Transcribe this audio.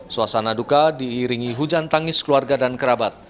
suasana duka diiringi hujan tangis keluarga dan kerabat